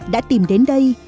đã tìm đến đây